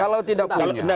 kalau tidak punya